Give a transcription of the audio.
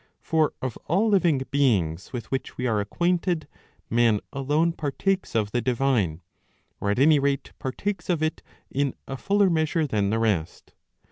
For of all living beings with which we are acquainted man alone partakes of the divine, or at any rate partakes of it in a fuller measure than the rest.